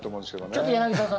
ちょっと柳澤さん